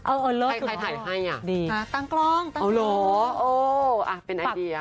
เออเอาล่ะถูกหรอดีตั้งกล้องตั้งกล้องโอ้โหเป็นไอเดีย